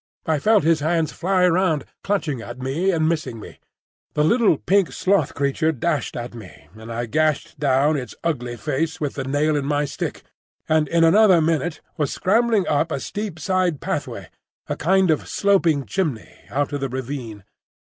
I felt his hands fly round, clutching at me and missing me. The little pink sloth creature dashed at me, and I gashed down its ugly face with the nail in my stick and in another minute was scrambling up a steep side pathway, a kind of sloping chimney, out of the ravine.